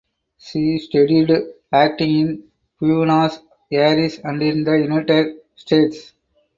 She studied acting in Buenos Aires and in the United States.